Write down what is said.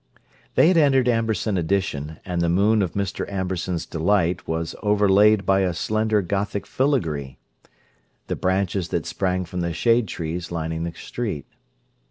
They had entered Amberson Addition, and the moon of Mr. Amberson's delight was overlaid by a slender Gothic filagree; the branches that sprang from the shade trees lining the street.